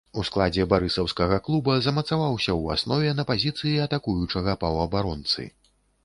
У складзе барысаўскага клуба замацаваўся ў аснове на пазіцыі атакуючага паўабаронцы.